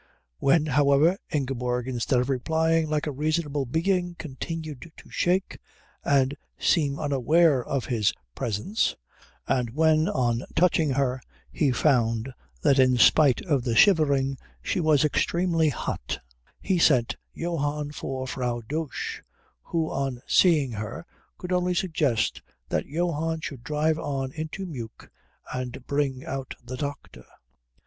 When, however, Ingeborg, instead of replying like a reasonable being, continued to shake and seem unaware of his presence, and when on touching her he found that in spite of the shivering she was extremely hot, he sent Johann for Frau Dosch, who on seeing her could only suggest that Johann should drive on into Meuk and bring out the doctor.